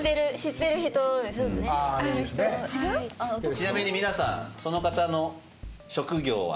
ちなみに皆さんその方の職業は？